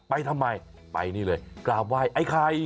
ไปทำไมไปนี่เลยกราบไหว้ไอ้ไข่